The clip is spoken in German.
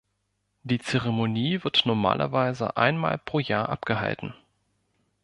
Die Zeremonie wird normalerweise einmal pro Jahr abgehalten.